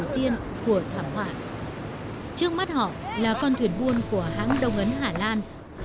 trước mắt họ là con thuyền buôn của hãng đông ấn hà lan